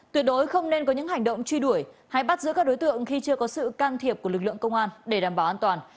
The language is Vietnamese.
tuyệt đối không nên có những hành động truy đuổi hay bắt giữ các đối tượng khi chưa có sự can thiệp của lực lượng công an để đảm bảo an toàn